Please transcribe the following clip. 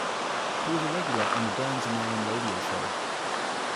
He was a regular on the Burns and Allen radio show.